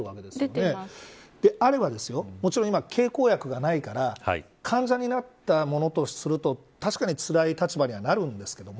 であれば、もちろん今経口薬がないから患者になったものとするとつらい立場にはなるんですけど。